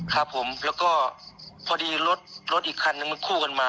ครับผมแล้วก็พอดีรถรถอีกคันนึงมันคู่กันมา